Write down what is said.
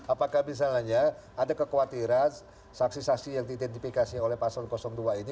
apakah misalnya ada kekhawatiran saksi saksi yang diidentifikasi oleh pasal dua ini